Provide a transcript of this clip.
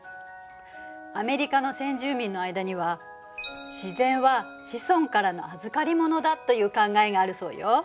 アメリカの先住民の間には自然は子孫からの預かり物だという考えがあるそうよ。